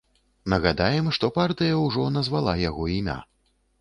Нагадаем, што партыя ўжо назвала яго імя.